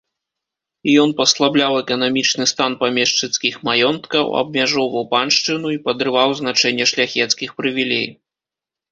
Ён паслабляў эканамічны стан памешчыцкіх маёнткаў, абмяжоўваў паншчыну і падрываў значэнне шляхецкіх прывілей.